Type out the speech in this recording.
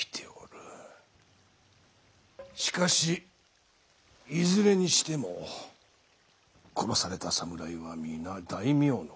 しかしいずれにしても殺された侍は皆大名の家臣。